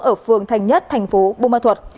ở phường thành nhất thành phố bù ma thuật